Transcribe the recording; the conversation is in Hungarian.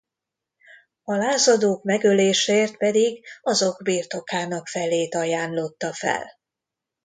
A lázadók megöléséért pedig azok birtokának felét ajánlotta fel.